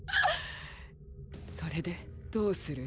それでどうする？